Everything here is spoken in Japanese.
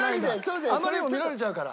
あまりにも見られちゃうから？